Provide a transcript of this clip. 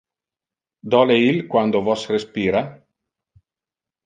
Dole il quando vos respira?